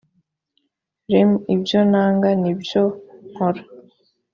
rm ibyo nanga ni byo nkora